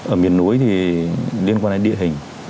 ở miền núi thì liên quan đến địa hình